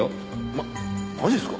ママジっすか？